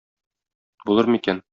Булыр микән?